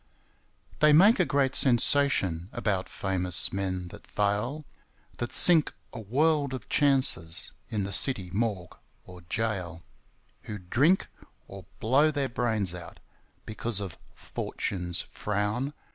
They make a great sensation About famous men that fail, That sink a world of chances In the city morgue or gaol, Who drink, or blow their brains out, Because of "Fortune's frown".